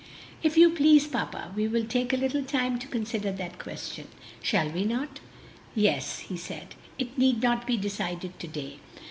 "If you please, papa, we will take a little time to consider that question; shall we not?" "Yes," he said, "it need not be decided to day.